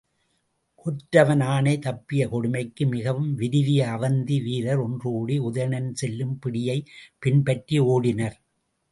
கொற்றவன் ஆணை தப்பிய கொடுமைக்கு மிகவும் வெருவிய அவந்தி வீரர் ஒன்றுகூடி, உதயணன் செல்லும் பிடியைப் பின்பற்றி ஓடினர்.